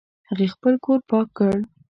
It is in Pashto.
هغې خپل کور پاک کړ